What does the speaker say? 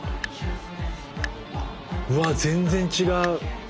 うわ全然違う！